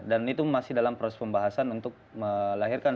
dan itu masih dalam proses pembahasan untuk melahirkan